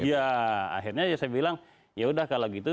ya akhirnya saya bilang ya sudah kalau gitu